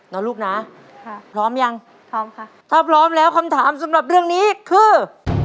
นะลูกนะค่ะพร้อมยังพร้อมค่ะถ้าพร้อมแล้วคำถามสำหรับเรื่องนี้คือ